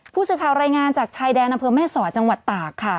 ผู้สื่อข่าวรายงานจากชายแดนอำเภอแม่สอดจังหวัดตากค่ะ